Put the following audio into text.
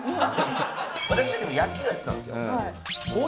私はでも野球をやってたんですよ。